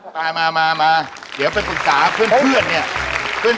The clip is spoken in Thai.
ตายมาเดี๋ยวไปตรวจส่าวเพื่อนเนี่ย